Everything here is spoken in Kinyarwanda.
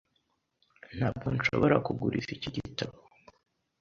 Ntabwo nshobora kuguriza iki gitabo .